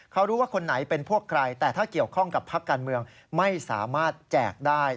กับภาคการเมืองไม่สามารถแจกได้